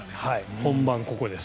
本番ここです。